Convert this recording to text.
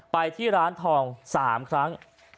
ไปที่ร้านทอง๓ครั้ง